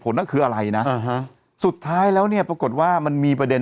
นั่นคืออะไรนะอ่าฮะสุดท้ายแล้วเนี่ยปรากฏว่ามันมีประเด็น